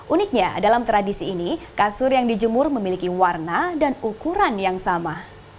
uniknya dalam tradisi ini kasur yang dijemur memiliki warna dan ukuran yang sama